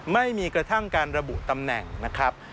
ไม่มีกระทั่งการระบุตำแหน่งนะครับ